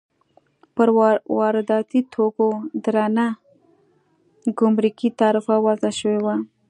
پر وارداتي توکو درنه ګمرکي تعرفه وضع شوې وه.